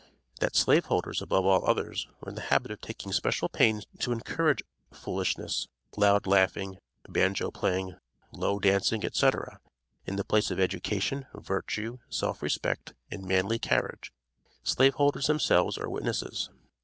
That slave holders, above all others, were in the habit of taking special pains to encourage foolishness, loud laughing, banjo playing, low dancing, etc., in the place of education, virtue, self respect and manly carriage, slave holders themselves are witnesses.